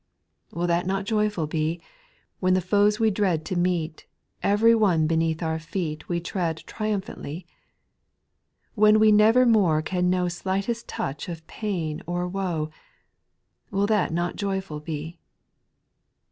8. Will that not joyful be, When the foes we dread to meet, Every one beneath our feet We tread triumphantly ? When we never more can know Slightest touch of pain or woe. Will that not joyful be